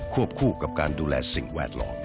วบคู่กับการดูแลสิ่งแวดล้อม